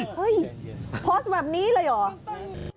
เฮ้ยโพสต์แบบนี้เลยเหรอ